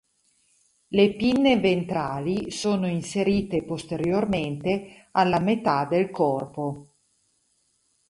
Le pinne ventrali sono inserite posteriormente alla metà del corpo.